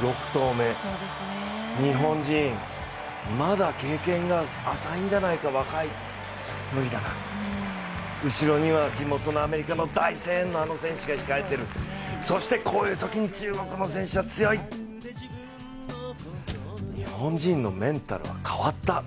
６投目、日本人、まだ経験が浅いんじゃないか、若い無理だな後ろには地元のアメリカの大声援のあの選手が控えてるそして、こういうときに中国の選手は強い日本人のメンタルは変わった。